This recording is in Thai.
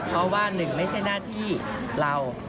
เพราะว่าหนึ่งไม่ใช่หน้าที่เรา